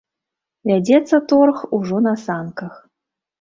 Вядзецца торг ужо на санках.